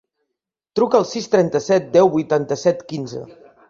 Truca al sis, trenta-set, deu, vuitanta-set, quinze.